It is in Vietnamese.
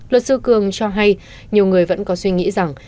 luật sư cường cho hay nhiều người vẫn có suy nghĩ rằng